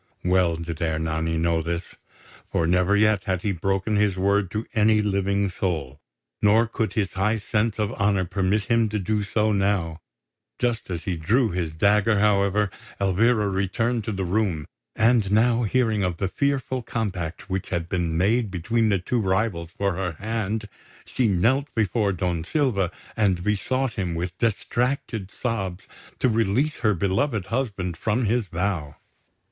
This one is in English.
Well did Ernani know this; for never yet had he broken his word to any living soul, nor could his high sense of honour permit him to do so now. Just as he drew his dagger, however, Elvira returned to the room; and now hearing of the fearful compact which had been made between the two rivals for her hand, she knelt before Don Silva and besought him, with distracted sobs, to release her beloved husband from his vow.